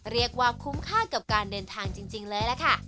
เรียกว่าคุ้มค่ากับการเดินทางจริงเลยล่ะค่ะ